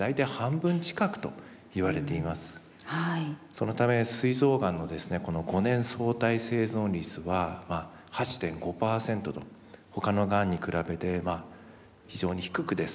そのためすい臓がんのですね５年相対生存率は８．５％と他のがんに比べて非常に低くですね